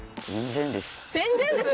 全然です？